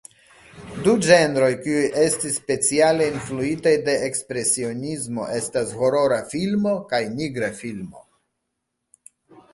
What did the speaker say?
Du ĝenroj kiuj estis speciale influitaj de Ekspresionismo estas horora filmo kaj nigra filmo.